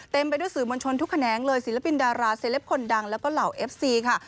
ไปด้วยสื่อมวลชนทุกแขนงเลยศิลปินดาราเซลปคนดังแล้วก็เหล่าเอฟซีค่ะ